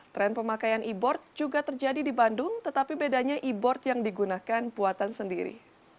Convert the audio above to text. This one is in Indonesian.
tren pemakaian e board juga terjadi di bandung tetapi bedanya e board yang digunakan buatan sendiri